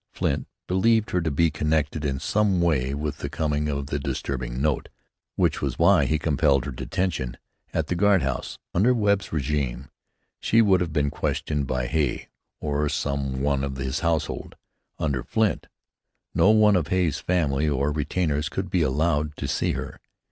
Flint believed her to be connected in some way with the coming of the disturbing note, which was why he compelled her detention at the guard house. Under Webb's régime she would have been questioned by Hay, or some one of his household. Under Flint, no one of Hay's family or retainers could be allowed to see her.